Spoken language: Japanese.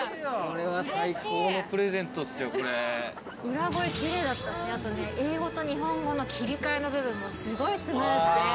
裏声、きれいだったし英語と日本語の切り替えの部分もすごいスムーズで。